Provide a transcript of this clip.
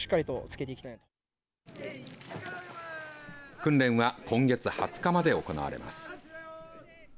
訓練は今月２０日まで行われます。